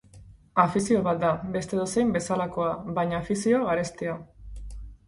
Afizio bat da, beste edozein bezalakoa, baina afizio garestia.